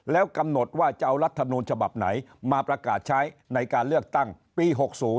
แล้วกำหนดว่าจะเอารัฐมนูลฉบับไหนมาประกาศใช้ในการเลือกตั้งปี๖๐